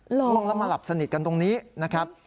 ไปต๒๐๒๕นี่นังลองมาหลับสนิทกันตรงนี้นะครับ